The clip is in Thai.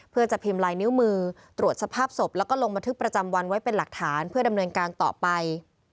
เพื่อจะพิมพ์ลายนิ้วมือตรวจสภาพศพแล้วก็ลงบันทึกประจำวันไว้เป็นหลักฐานเพื่อดำเนินการต่อไป